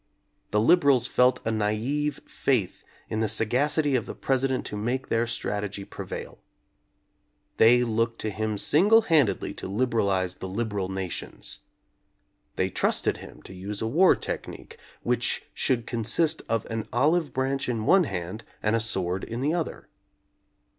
The liberals felt a naive faith in the sagacity of the President to make their strat egy prevail. They looked to him single handedly to liberalize the liberal nations. They trusted him to use a war technique which should consist of an olive branch in one hand and a sword in the other.